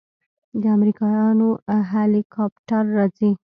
د امريکايانو هليكاپټر راځي.